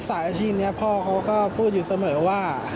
อาชีพนี้พ่อเขาก็พูดอยู่เสมอว่า